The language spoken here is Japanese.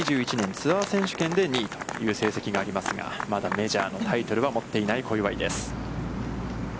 ツアー選手権で、２位という実績がありますが、まだメジャーのタイトルは持っていない小祝です。